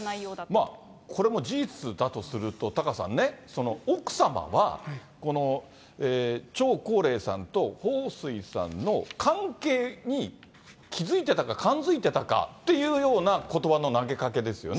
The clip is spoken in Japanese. まあ、これも事実だとすると、タカさんね、奥様は、この張高麗さんと彭帥さんの関係に気付いてたか、感づいてたかっていうようなことばの投げかけですよね。